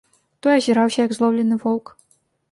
Той азіраўся, як злоўлены воўк.